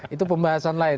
itu pembahasan lain